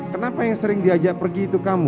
kenapa yang sering diajak pergi itu kamu